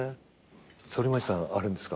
反町さんあるんですか？